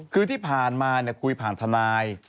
คือที่ผ่านมาคุยผ่านทนาย